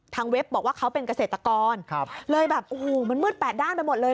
ทางเว็บบอกว่าเขาเป็นเกษตรกรเลยแบบมันมืด๘ด้านไปหมดเลย